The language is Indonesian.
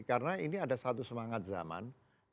karena ini ada satu semangat zaman